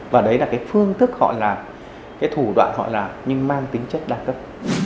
và đấy là cái phương thức họ làm cái thủ đoạn họ làm nhưng mang tính chất đa cấp